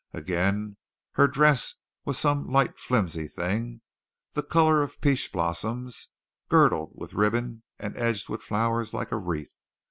Again, her dress was some light flimsy thing, the color of peach blossoms, girdled with ribbon and edged with flowers like a wreath.